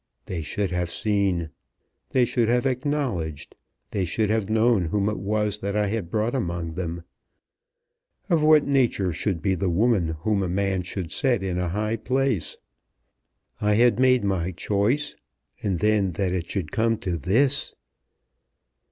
They should have seen. They should have acknowledged. They should have known whom it was that I had brought among them; of what nature should be the woman whom a man should set in a high place. I had made my choice; and then that it should come to this!"